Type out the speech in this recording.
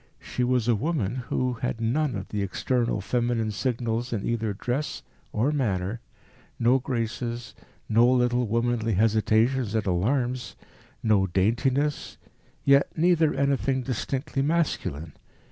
She was a woman who had none of the external feminine signals in either dress or manner, no graces, no little womanly hesitations and alarms, no daintiness, yet neither anything distinctly masculine.